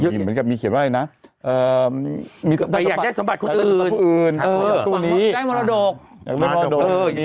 เขาไปตรวจสอบแล้วว่าตรงเนี้ยนั่นเป็นที่ราบราศดุอืมตรงนั้นมีมาสามสิบกว่าไล่